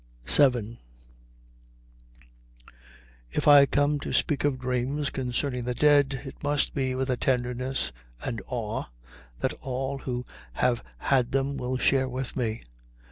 VII If I come to speak of dreams concerning the dead, it must be with a tenderness and awe that all who have had them will share with me.